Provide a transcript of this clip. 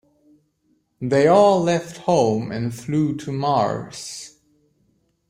They all left home and flew to Mars.